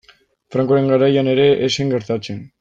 Francoren garaian ere ez zen gertatzen.